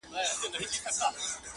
نه ملکانو څه ویل نه څه ویله مُلا!.